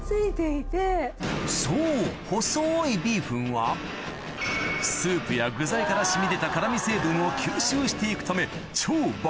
そう細いビーフンはスープや具材から染み出た辛み成分を吸収していくため超爆